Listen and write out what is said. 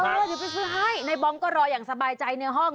คือให้นายบอมก็รออย่างสบายใจในห้อง